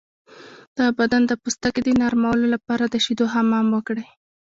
د بدن د پوستکي د نرمولو لپاره د شیدو حمام وکړئ